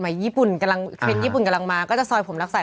สมัยเยี่ยปุ่นกำลังเคล็นต์เยี่ยปุ่นกำลังมาก็จะซอยผมลากไซส์